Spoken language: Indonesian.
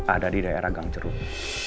ada di daerah gang jeruk